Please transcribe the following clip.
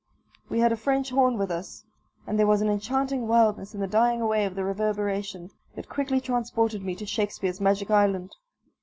We had a French horn with us, and there was an enchanting wildness in the dying away of the reverberation that quickly transported me to Shakespeare's magic island.